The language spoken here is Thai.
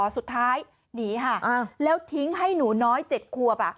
สุดท้ายหนีค่ะแล้วทิ้งให้หนูน้อย๗ควบ